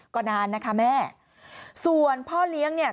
ก็นานนะคะแม่ส่วนพ่อเลี้ยงเนี่ย